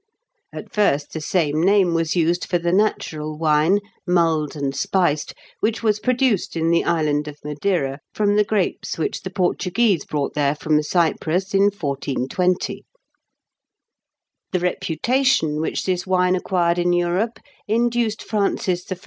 At first the same name was used for the natural wine, mulled and spiced, which was produced in the island of Madeira from the grapes which the Portuguese brought there from Cyprus in 1420. The reputation which this wine acquired in Europe induced Francis I.